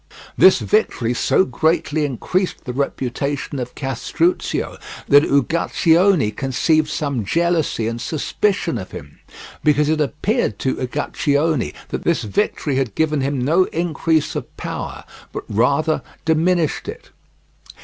This victory so greatly increased the reputation of Castruccio that Uguccione conceived some jealousy and suspicion of him, because it appeared to Uguccione that this victory had given him no increase of power, but rather than diminished it.